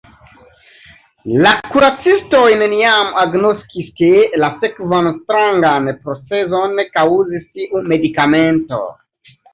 La kuracistoj neniam agnoskis, ke la sekvan strangan procezon kaŭzis tiu medikamento.